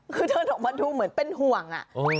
คือเดินออกมาดูเหมือนเป็นห่วง